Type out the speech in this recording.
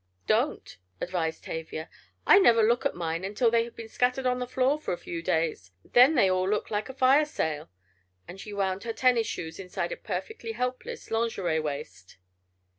"Don't," advised Tavia. "I never look at mine until they have been scattered on the floor for a few days. Then they all look like a fire sale," and she wound her tennis shoes inside a perfectly helpless lingerie waist.